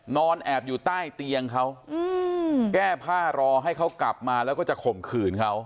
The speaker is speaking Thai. แอบอยู่ใต้เตียงเขาแก้ผ้ารอให้เขากลับมาแล้วก็จะข่มขืนเขา